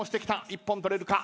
一本取れるか？